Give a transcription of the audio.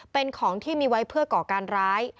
เป็นของที่มีไว้เพื่อก่อการร้าย